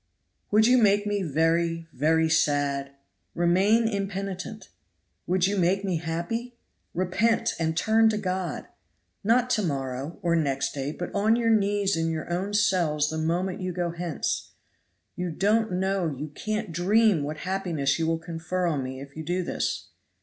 "Would you make me very very sad? Remain impenitent! Would you make me happy? Repent, and turn to God! Not to morrow, or next day, but on your knees in your own cells the moment you go hence. You don't know, you can't dream what happiness you will confer on me if you do this!"